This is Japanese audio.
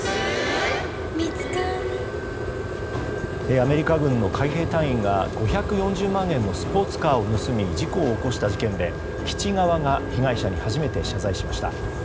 アメリカ軍の海兵隊員が５４０万円のスポーツカーを盗み事故を起こした事件で基地側が被害者に初めて謝罪しました。